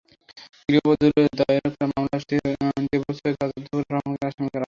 গৃহবধূর দায়ের করা মামলায় দেবর সৈয়দ আজাদুর রহমানকেও আসামি করা হয়।